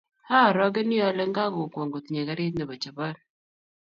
Aarogeni ale nga kongwong kotinyei karit nebo Japan